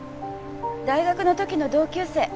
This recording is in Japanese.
大学の時の同級生。